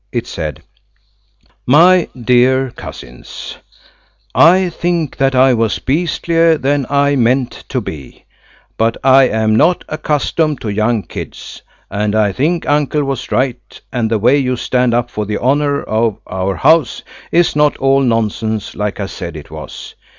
It said: "My dear Cousins, "I think that I was beastlier than I meant to be, but I am not accustomed to young kids. And I think uncle was right, and the way you stand up for the honour of our house is not all nonsense, like I said it was.